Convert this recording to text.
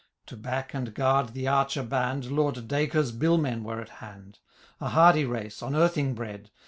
To back and guard tiie archer band. Lord Dacre*s bill men were at hand : A hardy race, on Irthing bred.